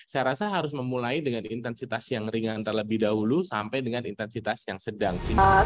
saya rasa harus memulai dengan intensitas yang ringan terlebih dahulu sampai dengan intensitas yang sedang